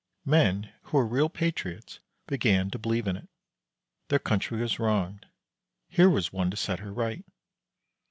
Men who were real patriots began to believe in it. Their country was wronged. Here was one to set her right.